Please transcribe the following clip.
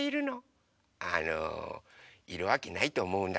あのいるわけないとおもうんだけど。